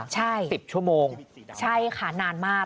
ใช่ค่ะนานมากนั้น๑๐ชั่วโมง